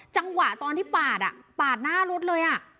จังหวะตอนที่ปาดปาดหน้ารถเลย